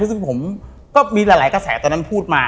ซึ่งผมก็มีหลายกระแสตอนนั้นพูดมา